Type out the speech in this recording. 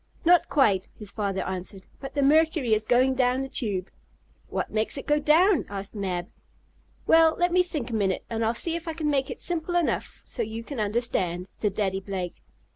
"Not quite," his father answered. "But the mercury is going down the tube." "What makes it go down?" asked Mab. "Well, let me think a minute, and I'll see if I can make it simple enough so you can understand," said Daddy Blake.